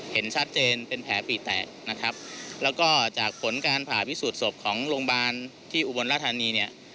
เห็นชัดเจนเป็นแผลปีแตกนะครับแล้วก็จากผลการผ่าพิสูจน์ศพของโรงพยาบาลที่อุบลราชธานีเนี่ย